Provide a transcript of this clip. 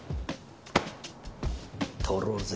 とろうぜ！